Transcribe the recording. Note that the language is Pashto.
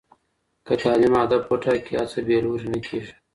که تعلیم هدف وټاکي، هڅه بې لوري نه کېږي.